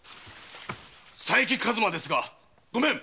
佐伯一馬ですがごめん！